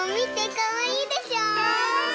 かわいい！